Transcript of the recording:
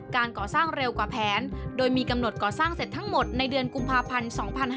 การก่อสร้างเร็วกว่าแผนโดยมีกำหนดก่อสร้างเสร็จทั้งหมดในเดือนกุมภาพันธ์๒๕๕๙